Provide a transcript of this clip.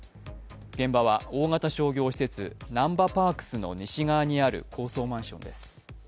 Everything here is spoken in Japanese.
現場は大型商業施設なんばパークスの西側にある高層マンションです。